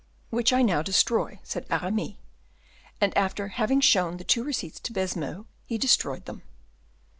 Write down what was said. "Which I now destroy," said Aramis; and after having shown the two receipts to Baisemeaux, he destroyed them.